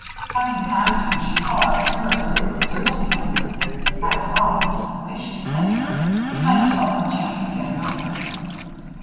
Having passed him, she paused irresolutely to look at him. After all, if he wished to thank her, he might as well have a chance to get it over.